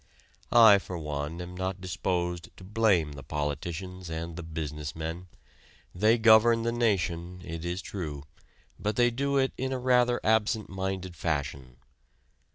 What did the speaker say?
I, for one, am not disposed to blame the politicians and the business men. They govern the nation, it is true, but they do it in a rather absentminded fashion.